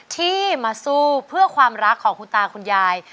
ที่มาสู้เพื่อความรักของคุณตาคุณยาย